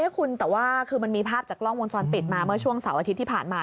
คุณแต่ว่าคือมันมีภาพจากกล้องวงจรปิดมาเมื่อช่วงเสาร์อาทิตย์ที่ผ่านมา